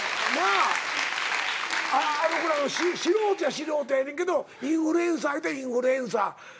素人やねんけどインフルエンサーやてインフルエンサー。